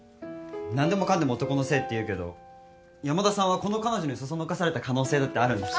何でもかんでも男のせいっていうけど山田さんはこの彼女にそそのかされた可能性だってあるんだし。